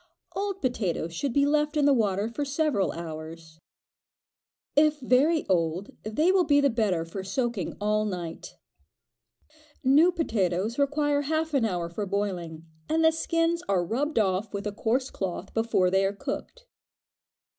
Old potatoes should be left in the water for several hours. If very old, they will be the better for soaking all night. New potatoes require half an hour for boiling, and the skins are rubbed off with a coarse cloth before they are cooked.